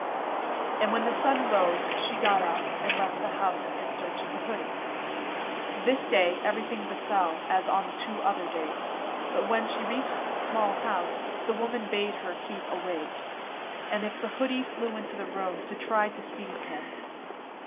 And when the sun rose she got up, and left the house, in search of the hoodie. This day everything befell as on the two other days, but when she reached the small house, the woman bade her keep awake, and if the hoodie flew into the room, to try to seize him.